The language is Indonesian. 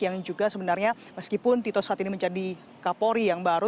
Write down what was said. yang juga sebenarnya meskipun tito saat ini menjadi kapolri yang baru